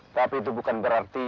tapi itu bukan berarti